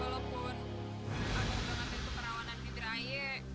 aku udah ngambil perawanan bibir a i